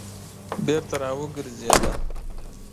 بېرته راوګرځېده.